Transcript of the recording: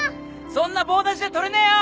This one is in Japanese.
そんな棒立ちじゃ捕れねえよ。